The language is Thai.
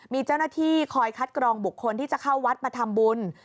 มีเจ้าหน้าที่คอยคัดกรองบุคคลที่จะเข้าวัดมาทำบุญ